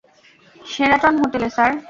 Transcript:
Sheraton হোটেলে, sir?